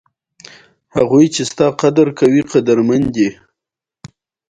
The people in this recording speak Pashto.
اوبه، اوبه لاسونه